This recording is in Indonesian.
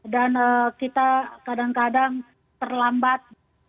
dan kita kadang kadang terlambat